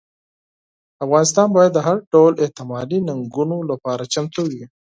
افغانستان باید د هر ډول احتمالي ننګونو لپاره چمتو وي.